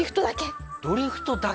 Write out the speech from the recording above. ドリフトだけ！